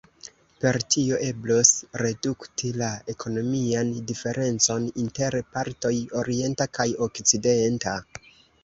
Per tio eblos redukti la ekonomian diferencon inter partoj orienta kaj okcidenta.